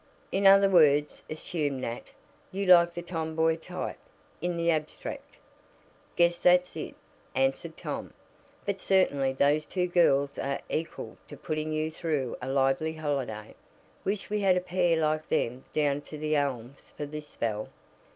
"In other words," assumed Nat, "you like the tomboy type in the abstract." "Guess that's it," answered Tom. "But certainly those two girls are equal to putting you through a lively holiday. Wish we had a pair like them down to The Elms for this spell.